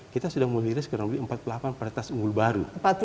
kita sudah mulir empat puluh delapan varietas unggul baru